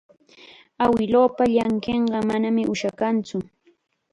Awiluupa llanqinqa manam ushakantsu.